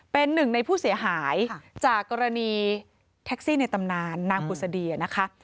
เป็นหนึ่งในผู้เสียหายจากกรณีแท็กซี่ในตำนานนางกุศดีนะคะ